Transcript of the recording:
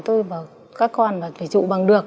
tôi và các con phải trụ bằng được